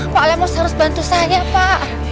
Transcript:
pak lamos harus bantu saya pak